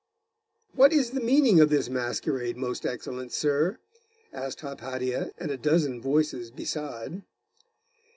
'What is the meaning of this masquerade, most excellent sir?' asked Hypatia and a dozen voices beside.